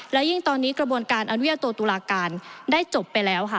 และยิ่งตอนนี้กระบวนการอนุญาโตตุลาการได้จบไปแล้วค่ะ